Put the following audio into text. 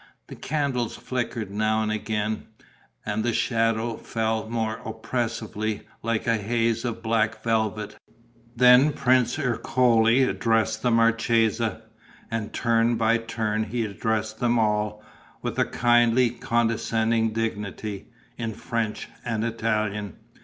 The candles flickered now and again; and the shadow fell more oppressively, like a haze of black velvet. Then Prince Ercole addressed the marchesa. And turn by turn he addressed them all, with a kindly, condescending dignity, in French and Italian.